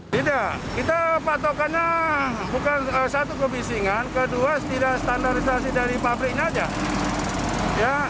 tidak kita patokannya bukan satu kebisingan kedua tidak standarisasi dari pabriknya saja